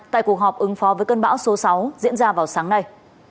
tại cuộc họp ứng phó với cơn bão số sáu diễn ra vào sáng nay